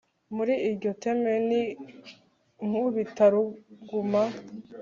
muri iryo teme n’inkubitaruguma